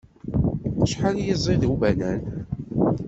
Acḥal ay ẓid ubanan.